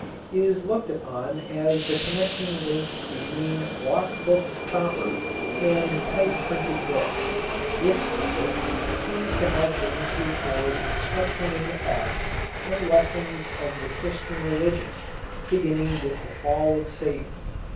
It is looked upon as the connecting link between block books proper and type printed books. Its purpose seems to have been to afford instruction in the facts and lessons of the Christian religion, beginning with the fall of Satan.